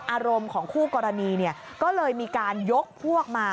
อารมณ์ของคู่กรณีก็เลยมีการยกพวกมา